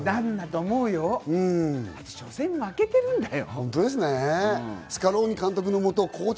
だって初戦負けてるんだよ。